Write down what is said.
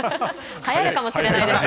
はやるかもしれないですね。